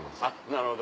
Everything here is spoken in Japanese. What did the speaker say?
なるほど。